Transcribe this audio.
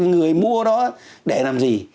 người mua đó để làm gì